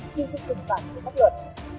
chiêu sức trùng phản của bắt luận